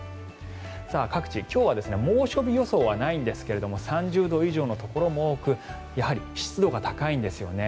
各地、今日は猛暑日予想はないんですが３０度以上のところも多くやはり湿度が高いんですよね。